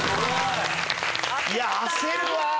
いや焦るわぁ。